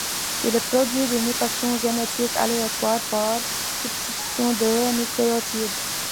Il produit des mutations génétiques aléatoires par substitution de nucléotides.